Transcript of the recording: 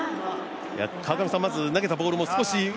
投げたボールも少し？